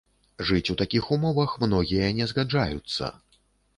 Жыць у такіх умовах многія не згаджаюцца.